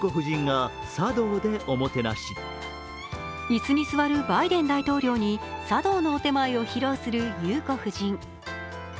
椅子に座るバイデン大統領に茶道のお手前を披露する裕子夫人。